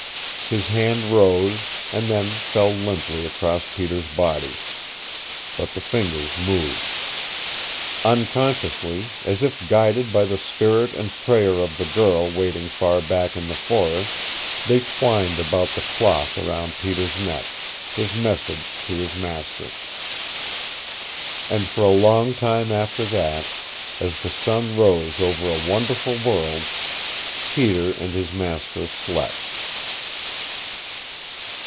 His hand rose, and then fell limply across Peter's body. But the fingers moved. Unconsciously, as if guided by the spirit and prayer of the girl waiting far back in the forest, they twined about the cloth around Peter's neck his message to his master. And for a long time after that, as the sun rose over a wonderful world, Peter and his master slept.